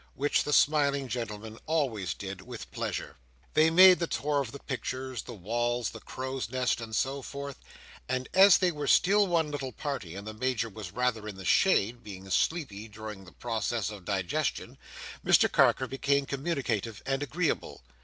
which the smiling gentleman always did with pleasure. They made the tour of the pictures, the walls, crow's nest, and so forth; and as they were still one little party, and the Major was rather in the shade: being sleepy during the process of digestion: Mr Carker became communicative and agreeable.